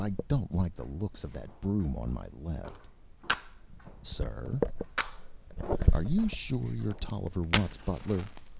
I don't like the looks of that broom on my left." "Sir?" "Are you sure you're Tolliver Watt's butler?"